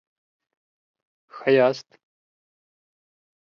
ښه یاست؟